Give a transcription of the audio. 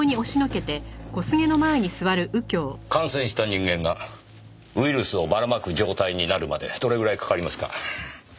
感染した人間がウイルスをばら撒く状態になるまでどれぐらいかかりますか？